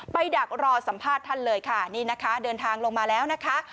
ดักรอสัมภาษณ์ท่านเลยค่ะนี่นะคะเดินทางลงมาแล้วนะคะ